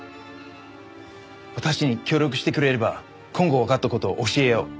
私に協力してくれれば今後わかった事を教えよう。